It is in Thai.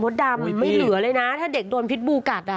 ดำไม่เหลือเลยนะถ้าเด็กโดนพิษบูกัดอ่ะ